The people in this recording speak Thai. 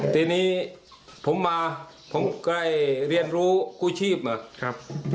ทีนี้ผมมาผมก็ได้เรียนรู้กู้ชีพมาครับ